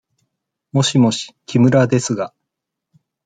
もしもし、木村ですが。